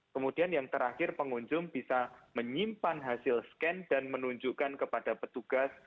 kemudian yang terakhir pengunjung bisa menyimpan hasil scan dan menunjukkan kepada petugas